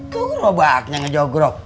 kau gerobaknya ngejogrok